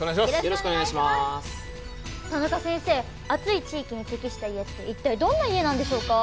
暑い地域に適した家っていったいどんな家なんでしょうか？